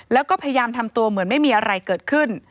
แล้วก็พยายามทำตัวเหมือนไม่มีอะไรเกิดขึ้น